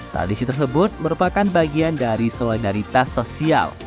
tradisi tersebut merupakan bagian dari solidaritas sosial